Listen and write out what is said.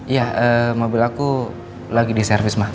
iya mobil aku lagi di servis mas